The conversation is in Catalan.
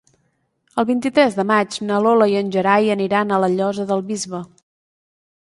El vint-i-tres de maig na Lola i en Gerai aniran a la Llosa del Bisbe.